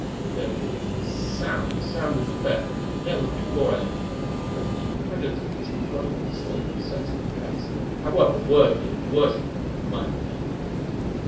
Therefore he is sound—sound as a bell; never before, I am told, has an impenitent Jew gone to the stake in such good case, however worthy and worshipful he might be."